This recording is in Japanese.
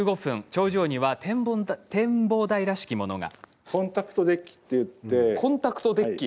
頂上には展望台らしきものが。